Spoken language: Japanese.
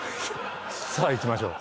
「さあ行きましょう」